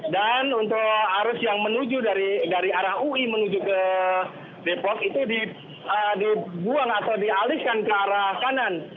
dan untuk arus yang menuju dari arah ui menuju ke depok itu dibuang atau dialiskan ke arah kanan